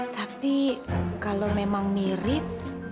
tapi kalau memang mirip